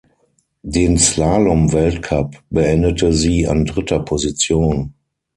Den Slalomweltcup beendete sie an dritter Position.